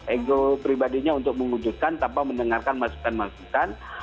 ego pribadinya untuk mewujudkan tanpa mendengarkan masukan masukan